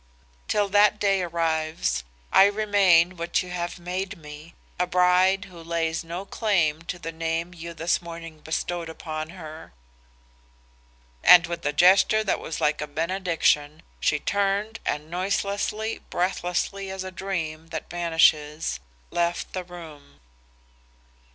Till that day arrives I remain what you have made me, a bride who lays no claim to the name you this morning bestowed upon her.' And with a gesture that was like a benediction, she turned, and noiselessly, breathlessly as a dream that vanishes, left the room.